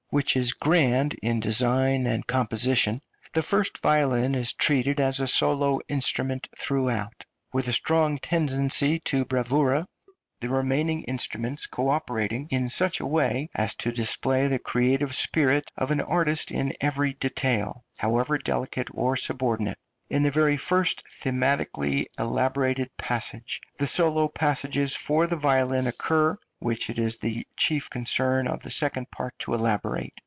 which is grand in design and composition, the first violin is treated as a solo instrument throughout, with a strong {INSTRUMENTAL MUSIC.} (306) tendency to bravura, the remaining instruments co operating in such a way as to display the creative spirit of an artist in every detail, however delicate or subordinate. In the very first thematically elaborated passage the solo passages for the violin occur, which it is the chief concern of the second part to elaborate.